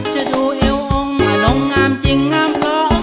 จะดูเอวองมาน้องงามจริงงามร้อง